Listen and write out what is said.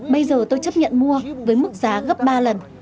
bây giờ tôi chấp nhận mua với mức giá gấp ba lần